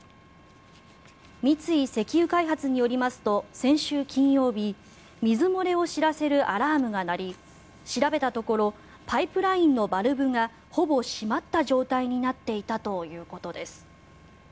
三井石油開発によりますと先週金曜日水漏れを知らせるアラームが鳴り調べたところパイプラインのバルブがほぼ閉まった状態になっていたということです。